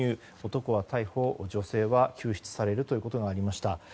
男は逮捕、女性は救出されるということがありました。